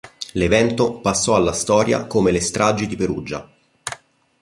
L'evento passò alla storia come le "stragi di Perugia".